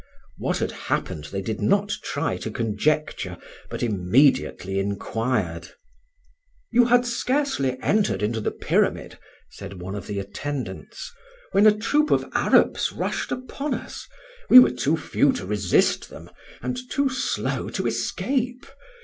What had happened they did not try to conjecture, but immediately inquired. "You had scarcely entered into the Pyramid," said one of the attendants, "when a troop of Arabs rushed upon us: we were too few to resist them, and too slow to escape.